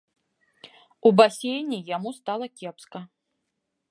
У басейне яму стала кепска.